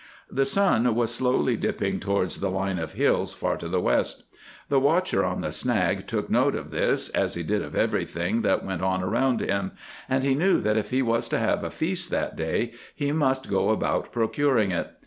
The sun was slowly dipping towards a line of hills far to the west. The watcher on the snag took note of this, as he did of everything that went on around him, and he knew that if he was to have a feast that day he must go about procuring it.